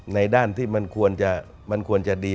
ในด้านที่มันควรจะดี